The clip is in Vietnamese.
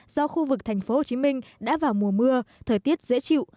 do khu vực tp hcm đã vào mùa mưa thời tiết dễ chịu